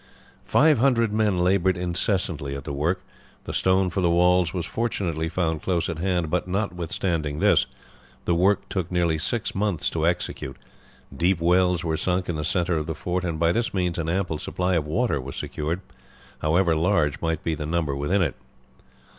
Five hundred men laboured incessantly at the work. The stone for the walls was fortunately found close at hand, but, notwithstanding this, the work took nearly six months to execute; deep wells were sunk in the centre of the fort, and by this means an ample supply of water was secured, however large might be the number within it.